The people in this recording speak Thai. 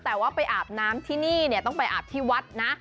แต่ว่าไปอาบน้ำที่นี่เนี่ยต้องไปอาบที่วัดนะ